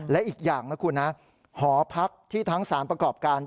และอีกอย่างนะคุณนะหอพักที่ทั้งสารประกอบการ